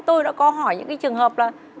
tôi đã có hỏi những cái trường hợp là